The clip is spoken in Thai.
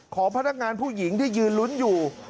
ของพนักงานผู้หญิงที่ยืนลุ้นอยู่